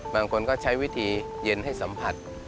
บางคนก็ใช้วิธีเย็นให้สัมผัส